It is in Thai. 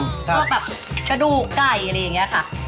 พวกแบบกระดูกไก่อะไรอย่างนี้ค่ะ